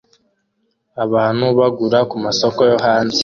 Abantu bagura kumasoko yo hanze